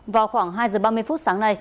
vào khoảng hai giờ ba mươi phút sáng nay